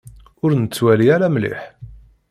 Ur nettwali ara mliḥ.